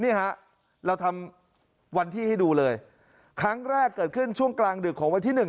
นี่ฮะเราทำวันที่ให้ดูเลยครั้งแรกเกิดขึ้นช่วงกลางดึกของวันที่หนึ่ง